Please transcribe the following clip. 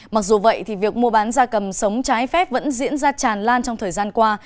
mặc dù vậy thì việc mua bán gia cầm sống trái phép vẫn diễn ra tràn lan trong thời gian qua